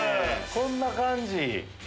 こんな感じ。